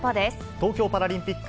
東京パラリンピック